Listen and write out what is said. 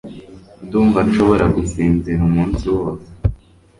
Ndumva nshobora gusinzira umunsi wose